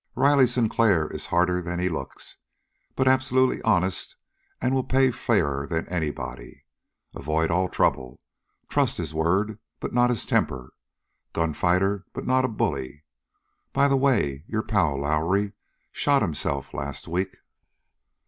Riley Sinclair is harder than he looks, but absolutely honest and will pay fairer than anybody. Avoid all trouble. Trust his word, but not his temper. Gunfighter, but not a bully. By the way, your pal Lowrie shot himself last week.